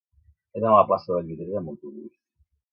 He d'anar a la plaça de Vallvidrera amb autobús.